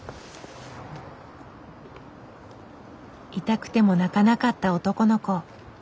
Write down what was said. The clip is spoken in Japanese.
痛くても泣かなかった男の子。